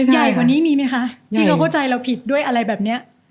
ใหญ่กว่านี้มีไหมคะที่เขาเข้าใจเราผิดด้วยอะไรแบบนี้